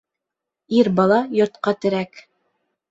Ир бала йортҡа терәк